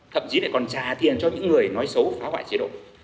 thậm chí lại còn trả tiền cho những người nói xấu phá hoại chế độ